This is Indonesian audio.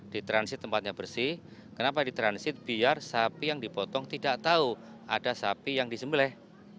di transit tempatnya bersih kenapa di transit biar sapi yang dipotong tidak tahu ada sapi yang disembelih